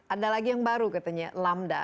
ada lagi yang baru katanya lamda